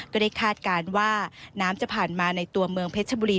คาดการณ์ว่าน้ำจะผ่านมาในตัวเมืองเพชรบุรี